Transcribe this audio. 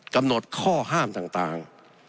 กำหนดข้อห้ามต่าง